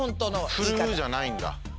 「振るう」じゃないんだ。